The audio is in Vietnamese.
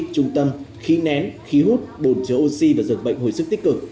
trung tâm khí nén khí hút bồn chứa oxy và dược bệnh hồi sức tích cực